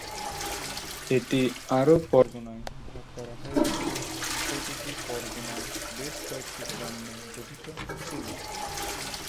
এটি আরও পরগনায় ভাগ করা হয়েছিল; প্রতিটি পরগনা বেশ কয়েকটি গ্রাম নিয়ে গঠিত ছিল।